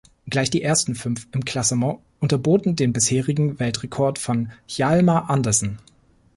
Gleich die ersten fünf im Klassement unterboten den bisherigen Weltrekord von Hjalmar Andersen.